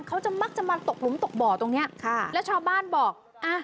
เขาจะมักจะมาตกหลุมตกบ่อตรงเนี้ยค่ะแล้วชาวบ้านบอกอ่ะ